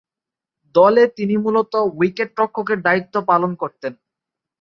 দলে তিনি মূলতঃ উইকেট-রক্ষকের দায়িত্ব পালন করতেন।